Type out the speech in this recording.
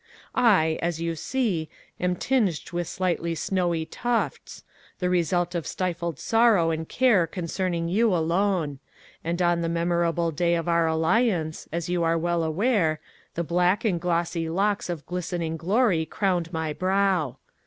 "I, as you see, am tinged with slightly snowy tufts, the result of stifled sorrow and care concerning you alone; and on the memorable day of our alliance, as you are well aware, the black and glossy locks of glistening glory crowned my brow.